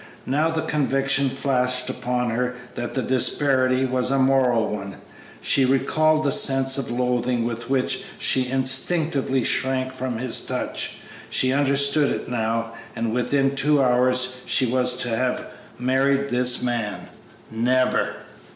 Now the conviction flashed upon her that the disparity was a moral one. She recalled the sense of loathing with which she instinctively shrank from his touch; she understood it now. And within two hours she was to have married this man! Never!